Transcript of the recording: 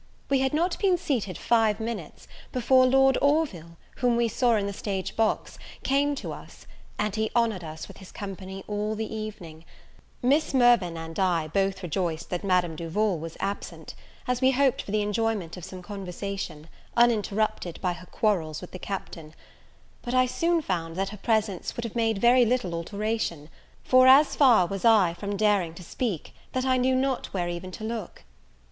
We had not been seated five minutes before Lord Orville, whom we saw in the stage box, came to us; and he honoured us with his company all the evening; Miss Mirvan and I both rejoiced that Madam Duval was absent, as we hoped for the enjoyment of some conversation, uninterrupted by her quarrels with the Captain: but I soon found that her presence would have made very little alteration; for as far was I from daring to speak, that I knew not where even to look.